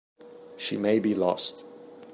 She may be lost.